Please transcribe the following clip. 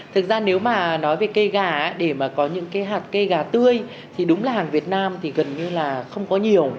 thực ra nếu mà nói về cây gà để mà có những cái hạt cây gà tươi thì đúng là hàng việt nam thì gần như là không có nhiều